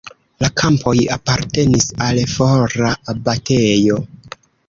La kampoj apartenis al fora abatejo.